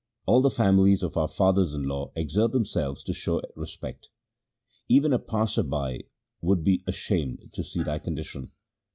All the families of our fathers in law exert themselves to show us respect. Even a passer by would be ashamed to see thy con dition.